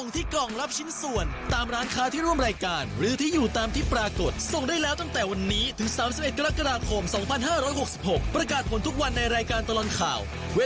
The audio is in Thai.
แต่สำคัญคือใครดื่มเรียบร้อยแล้วนะต้องอย่าทิ้งฝา